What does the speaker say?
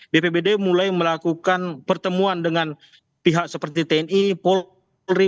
bpbd mulai melakukan pertemuan dengan pihak seperti tni polri